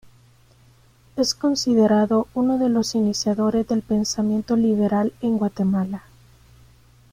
Es considerado uno de los iniciadores del pensamiento liberal en Guatemala.